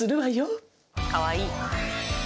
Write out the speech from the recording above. かわいい。